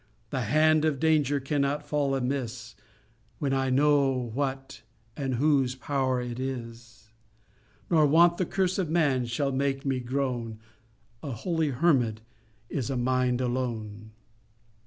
The hand of danger cannot fall amiss, When I know what, and in whose power, it is, Nor want, the curse of man, shall make me groan: A holy hermit is a mind alone.